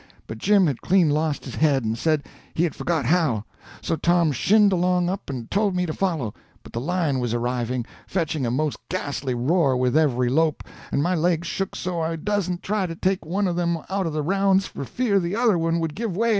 But Jim had clean lost his head, and said he had forgot how. So Tom shinned along up and told me to follow; but the lion was arriving, fetching a most ghastly roar with every lope, and my legs shook so I dasn't try to take one of them out of the rounds for fear the other one would give way under me.